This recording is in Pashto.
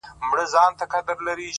• که آرام غواړې، د ژوند احترام وکړه،